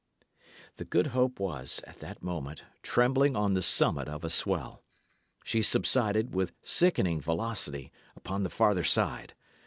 The Good Hope was, at that moment, trembling on the summit of a swell. She subsided, with sickening velocity, upon the farther side.